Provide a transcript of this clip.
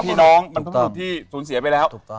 พี่น้องมันพรุ่งที่สูญเสียไปแล้ว